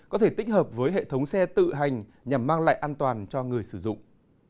có thể tích hợp với hệ thống xe tự hành nhằm mang lại an toàn cho người sử dụng